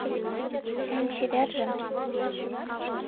ЭН ЧЕВЕРЖЫМ